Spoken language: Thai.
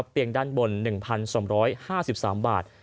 เตียงด้านบน๑๒๕๓บาท